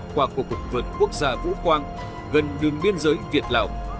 qua cuộc vượt quốc gia vũ quang gần đường biên giới việt lào